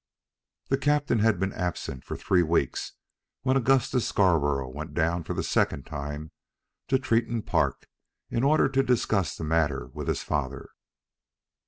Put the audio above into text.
The captain had been absent for three weeks when Augustus Scarborough went down for a second time to Tretton Park, in order to discuss the matter with his father.